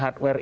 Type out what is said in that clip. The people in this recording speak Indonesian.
ya udah lah